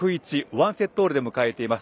１セットオールで迎えています